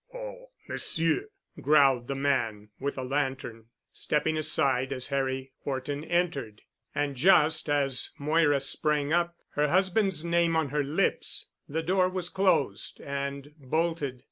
"Oh, Monsieur——" growled the man with the lantern, stepping aside as Harry Horton entered. And just as Moira sprang up, her husband's name on her lips, the door was closed and bolted.